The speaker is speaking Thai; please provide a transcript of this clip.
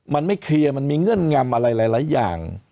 มันไม่เคลียร์มันมีเงื่อนงำอะไรหลายอย่าง